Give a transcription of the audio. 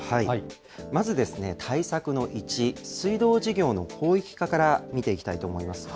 まず対策の１、水道事業の広域化から見ていきたいと思います。